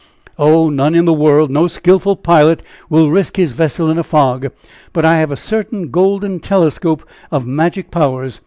"Oh, none in the world! No skillful pilot will risk his vessel in a fog. But I have a certain golden telescope of magic powers.